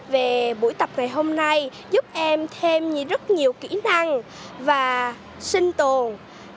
về buổi tập ngày hôm nay giúp em thêm rất nhiều kỹ năng và sinh tồn